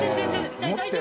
△大丈夫。